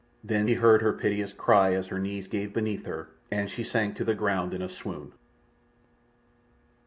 Then he heard her piteous cry as her knees gave beneath her, and she sank to the ground in a swoon.